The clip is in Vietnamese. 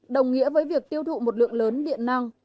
đồng nghĩa với việc tiêu thụ một lượng lớn điện năng